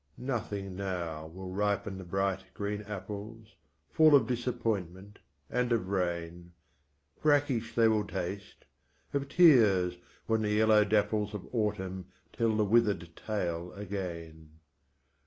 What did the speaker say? Nothing now will ripen the bright green apples, Full of disappointment and of rain, Brackish they will taste, of tears, when the yellow dapples Of Autumn tell the withered tale again.